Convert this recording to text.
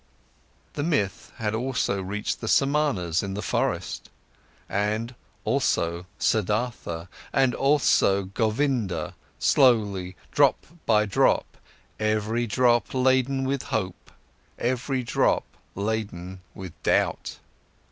The myth had also reached the Samanas in the forest, and also Siddhartha, and also Govinda, slowly, drop by drop, every drop laden with hope, every drop laden with doubt.